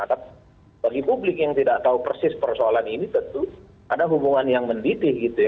tapi bagi publik yang tidak tahu persis persoalan ini tentu ada hubungan yang mendidih gitu ya